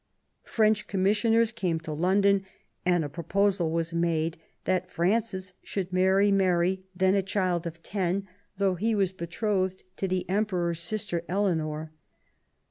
French commissioners came to London, and a proposal was made that Francis should marry Mary, then a child of ten, though he was betrothed to the Emperor's sister Eleanor.